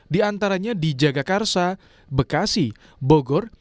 diantaranya di jagakarsa bekasi bogor